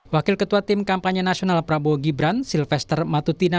wakil ketua tim kampanye nasional prabowo gibran silvester matutina